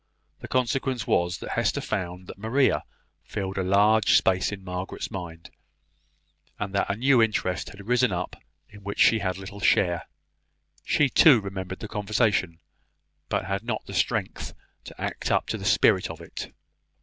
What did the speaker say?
The consequence was, that Hester found that Maria filled a large space in Margaret's mind, and that a new interest had risen up in which she had little share. She, too, remembered the conversation, but had not strength to act up to the spirit of it.